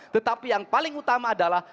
tetapi yang paling utama adalah